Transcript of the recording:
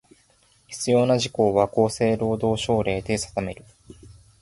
必要な事項は、厚生労働省令で定める。